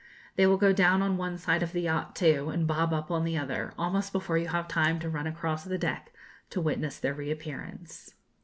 They will go down on one side of the yacht too, and bob up on the other, almost before you have time to run across the deck to witness their reappearance.